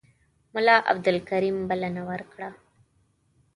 ملا عبدالکریم بلنه ورکړه.